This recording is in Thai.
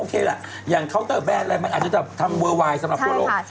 ล่ะอย่างเคาน์เตอร์แบรนดอะไรมันอาจจะทำเวอร์ไวน์สำหรับทั่วโลก